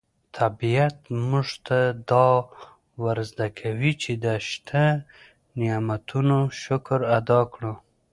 طبیعت موږ ته دا ور زده کوي چې د شته نعمتونو شکر ادا کړو.